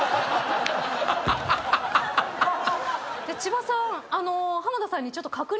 千葉さん。